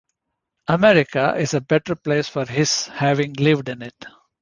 America is a better place for his having lived in it.